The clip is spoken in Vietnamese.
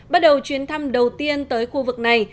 bắt đầu chuyến thăm đầu tiên tới khu vực này